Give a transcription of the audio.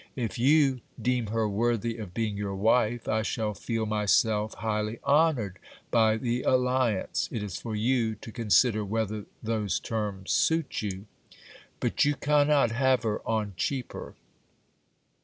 If you deem her worthy of being your wife, I shall feel myself highly honoured by the alliance : it is for you to consider whether those terms suit you ; but you cannot have her on cheaper.